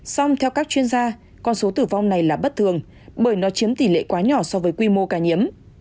song theo các chuyên gia con số tử vong này là bất thường bởi nó chiếm tỷ lệ quá nhỏ so với quy mô ca nhiễm